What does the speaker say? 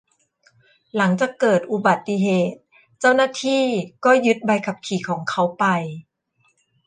หลังจากเกิดอุบัติเหตุ เจ้าหน้าที่ก็ยึดใบขับขี่ของเขาไป